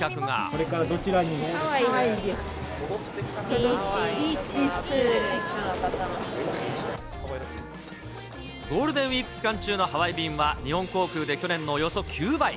ビーチとかプールに行くのがゴールデンウィーク期間中のハワイ便は日本航空で去年のおよそ９倍。